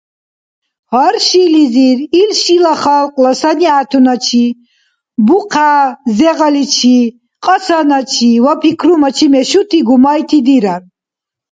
Гьар шилизир, ил шила халкьла санигӏятуначи, бухъя-зегъаличи, кьасаначи ва пикрумачи мешути гумайти дирар.